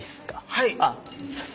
はい。